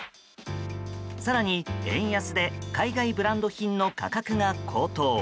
更に、円安で海外ブランド品の価格が高騰。